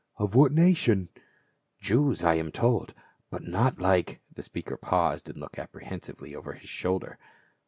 " Of what nation ?" "Jews, I am told, but not like —" The speaker paused and looked apprehensively over his shoulder.